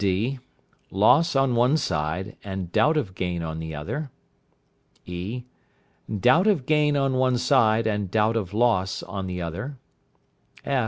(d). Loss on one side, and doubt of gain on the other. (e). Doubt of gain on one side, and doubt of loss on the other.